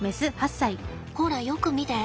ほらよく見て。